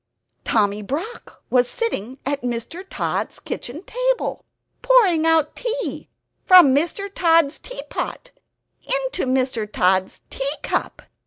... Tommy Brock was sitting at Mr. Tod's kitchen table, pouring out tea from Mr. Tod's teapot into Mr. Tod's teacup.